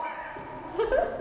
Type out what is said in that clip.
フフフッ。